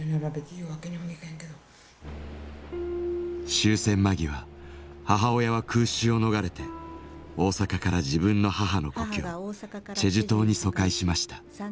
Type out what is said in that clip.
終戦間際母親は空襲を逃れて大阪から自分の母の故郷チェジュ島に疎開しました。